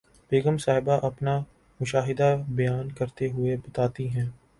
بیگم صاحبہ اپنا مشاہدہ بیان کرتے ہوئے بتاتی ہیں